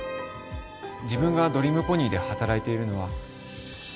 自分がドリームポニーで働いているのは